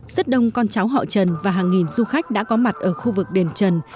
rất đông con cháu họ trần và hàng nghìn du khách đã có mặt ở khu vực đền trần